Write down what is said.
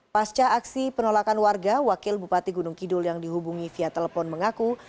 pasca aksi penolakan warga wakil bupati gunung kidul yang dihubungi via telepon mengaku